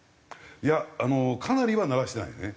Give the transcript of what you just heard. いやかなりは鳴らしてないね。